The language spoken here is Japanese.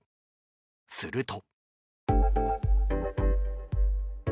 すると。